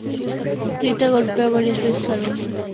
Rita golpea varias veces al hombre en la cabeza.